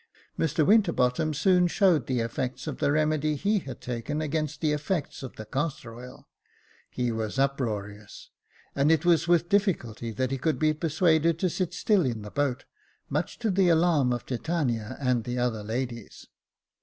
Mr Winterbottom soon showed the effects of the remedy he had taken against the effects of the castor oil. He was uproarious, and it was with difficulty that he could be persuaded to sit still in the boat, much to the alarm of Titania and the other ladies.